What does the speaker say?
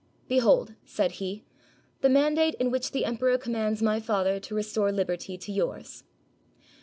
"Be hold," said he, "the mandate in which the emperor commands my father to restore liberty to yours."